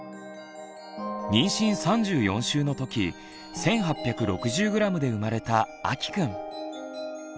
妊娠３４週のとき１，８６０ｇで生まれたあきくん。